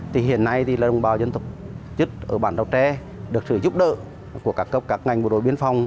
thì hiện nay thì là đồng bào dân tộc chức ở bản giao tre được sự giúp đỡ của các cấp các ngành bộ đội biên phòng